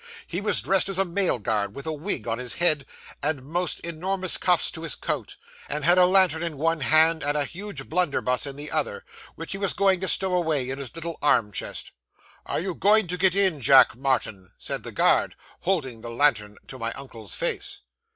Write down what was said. He was dressed as a mail guard, with a wig on his head and most enormous cuffs to his coat, and had a lantern in one hand, and a huge blunderbuss in the other, which he was going to stow away in his little arm chest. "_are _you going to get in, Jack Martin?" said the guard, holding the lantern to my uncle's face.